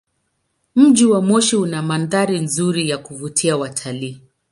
Mji wa Moshi una mandhari nzuri ya kuvutia watalii.